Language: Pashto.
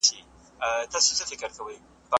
عامه روغتیا د ټولو مسولیت دی؟